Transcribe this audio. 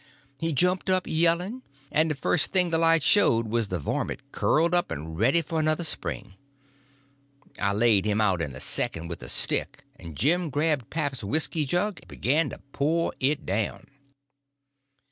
He jumped up yelling, and the first thing the light showed was the varmint curled up and ready for another spring. I laid him out in a second with a stick, and Jim grabbed pap's whisky jug and begun to pour it down.